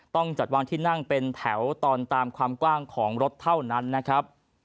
ต้องจัดวางที่นั่งเป็นแถวตอนตามความกว้างของรถเท่านั้นนะครับ